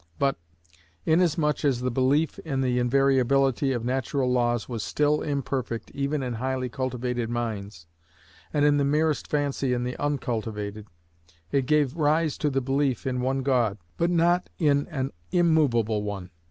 But, inasmuch as the belief in the invariability of natural laws was still imperfect even in highly cultivated minds, and in the merest infancy in the uncultivated, it gave rise to the belief in one God, but not in an immovable one.